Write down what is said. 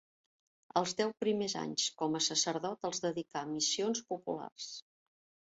Els deu primers anys com a sacerdot els dedicà a missions populars.